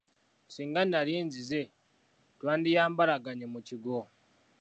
Singa nali nzize twandiyambalaganye mu kigwo.